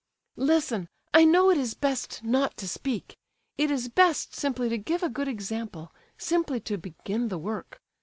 "Listen—I know it is best not to speak! It is best simply to give a good example—simply to begin the work.